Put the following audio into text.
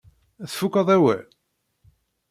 Tfukeḍ awal?